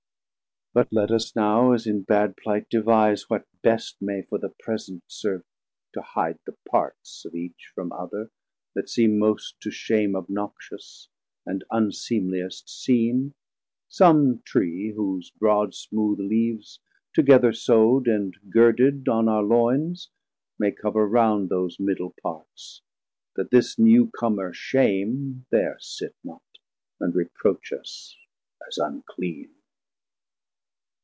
1090 But let us now, as in bad plight, devise What best may for the present serve to hide The Parts of each from other, that seem most To shame obnoxious, and unseemliest seen, Some Tree whose broad smooth Leaves together sowd, And girded on our loyns, may cover round Those middle parts, that this new commer, Shame, There sit not, and reproach us as unclean.